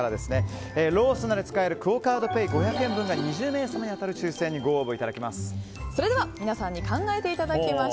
ローソンなどで使えるクオ・カードペイ５００円分が２０名様に当たる抽選にご応募いただけます。